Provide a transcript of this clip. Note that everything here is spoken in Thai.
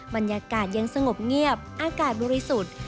บรรยากาศยังสงบเงียบอากาศบริสุทธิ์